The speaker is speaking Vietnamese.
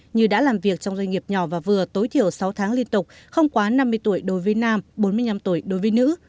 như đã làm việc trong doanh nghiệp nhỏ và vừa tối thiểu sáu tháng liên tục không quá năm mươi tuổi đối với nam bốn mươi năm tuổi đối với nữ